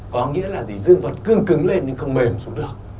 có nghĩa là gì dư vật cương cứng lên nhưng không mềm xuống được